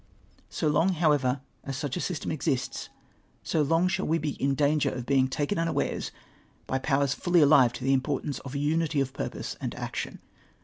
So long, however, as such a system exists, so long shall we be in danger of being taken unawares by powers fully alive to the importance of unity of purpose and action.